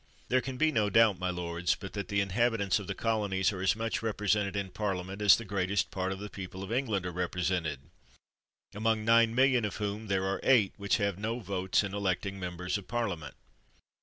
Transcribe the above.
There can be no doubt, my lords, but that the inhabitants of the colonies are as much repre sented in Parliament as the greatest part of the people of England are represented; among nine millions of whom there are eight which have no votes in electing members of Parliament.